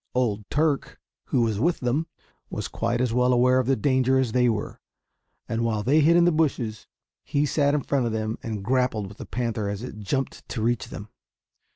Old Turk, who was with them, was quite as well aware of the danger as they were; and while they hid in the bushes, he sat in front of them and grappled with the panther as it jumped to reach them.